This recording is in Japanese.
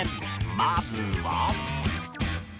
まずは